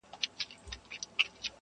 ددغه خلگو په كار، كار مه لره.